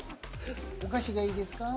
お菓子がいいですか？